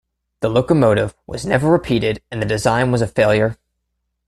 The locomotive was never repeated and the design was a failure.